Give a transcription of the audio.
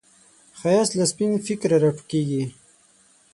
ښایست له سپین فکره راټوکېږي